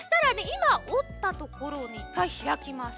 いまおったところをねいっかいひらきます。